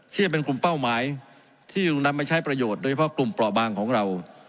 ที่จะเป็นกลุ่มเป้าหมายที่นำมาใช้ประโยชน์โดยเฉพาะกลุ่มเปราะบางของเรา